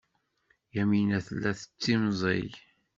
Yamina tella tettimẓiy.